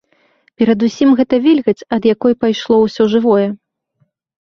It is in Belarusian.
Перадусім гэта вільгаць, ад якой пайшло ўсё жывое.